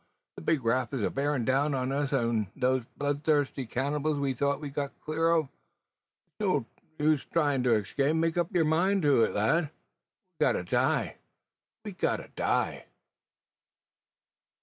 The big raft is a bearin' down upon us wi' them bloodthirsty cannibals we thought we'd got clear o'. It's no use tryin' to escape. Make up your mind to it, lad; we've got to die! we've got to die!"